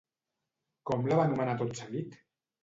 Com la va anomenar tot seguit?